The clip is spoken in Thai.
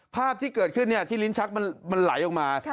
ภาพที่เกิดขึ้นที่ลิ้นชักมันไหลออกมา